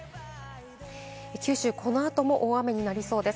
九州はこの後も大雨になりそうです。